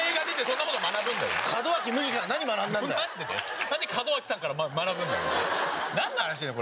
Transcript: なんで門脇さんから学ぶんだよ。